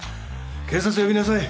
警察を呼びなさい。